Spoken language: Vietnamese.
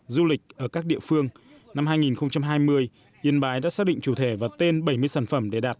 du lịch ở các địa phương năm hai nghìn hai mươi yên bái đã xác định chủ thể và tên bảy mươi sản phẩm để đạt